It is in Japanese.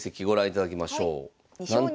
なんと。